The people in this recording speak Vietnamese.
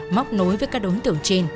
móc nối với các đối tượng trên